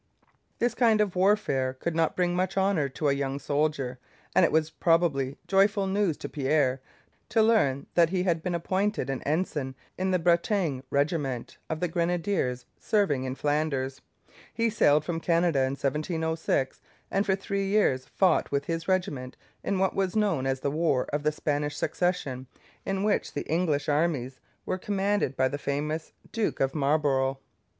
This kind of warfare could not bring much honour to a young soldier, and it was probably joyful news to Pierre to learn that he had been appointed an ensign in the Bretagne regiment of the Grenadiers serving in Flanders. He sailed from Canada in 1706, and for three years fought with his regiment in what was known as the War of the Spanish Succession, in which the English armies were commanded by the famous Duke of Marlborough.